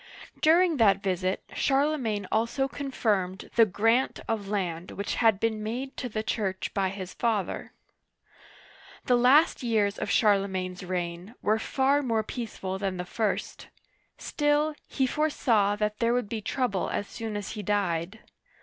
During that visit, Charle uigiTizea Dy vjiOOQlC CHARLEMAGNE (768 814) 79 magne also confirmed the grant of land which had been made to the Church by his father. The last years of Charlemagne's reign were far more peaceful than the first ; still, he foresaw that there would be trouble as soon as he died.